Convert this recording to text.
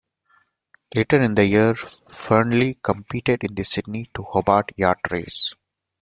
Later in the year, Fearnley competed in the Sydney to Hobart Yacht Race.